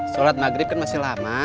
sholat maghrib kan masih lama